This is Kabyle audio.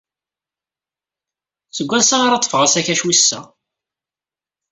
Seg wansi ara ḍḍfeɣ asakac wis sa?